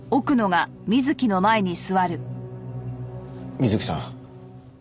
美月さん。